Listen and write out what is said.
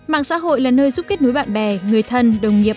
mạng xã hội là nơi giúp kết nối bạn bè người thân đồng nghiệp